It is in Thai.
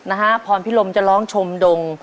นะฮะพรพิรมจะร้องชมดง